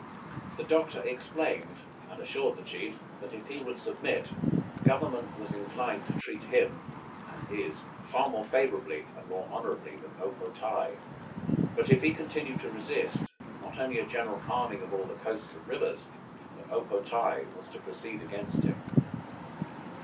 The Doctor explained, and assured the chief, that if he would submit, Government was inclined to treat him and his far more favorably and more honorably than O po tae. But if he continued to resist, not only a general arming of all the coast and the rivers, but O po tae was to proceed against him.